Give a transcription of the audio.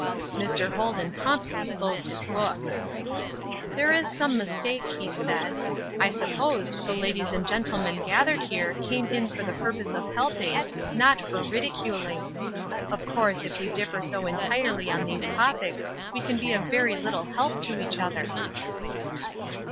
Mr. Holden promptly closed his book. "There is some mistake," he said. "I supposed the ladies and gentlemen gathered here came in for the purpose of helping, not for ridiculing. Of course if we differ so entirely on these topics we can be of very little help to each other."